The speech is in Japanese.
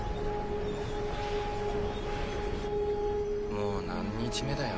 もう何日目だよ？